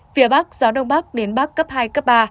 phía bắc gió đông bắc đến bắc cấp hai cấp ba